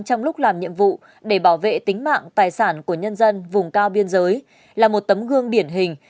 trong lúc làm nhiệm vụ để bảo vệ tính mạng tài sản của nhân dân vùng cao biên giới là một tấm gương điển hình